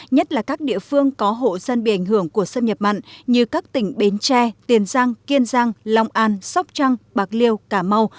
nhất là các địa phương có hộ dân bị ảnh hưởng của xâm nhập mặn như các tỉnh bến tre tiền giang kiên giang long an sóc trăng bạc liêu cà mau